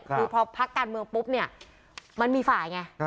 คือพอพักการเมืองปุ๊บเนี่ยมันมีฝ่ายไง